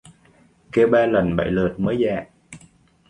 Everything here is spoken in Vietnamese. Kêu ba lần bảy lượt mới dạ